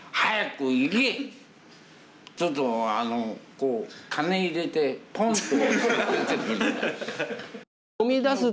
ちょっとこう金入れてポンと。